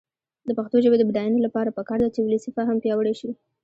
د پښتو ژبې د بډاینې لپاره پکار ده چې ولسي فهم پیاوړی شي.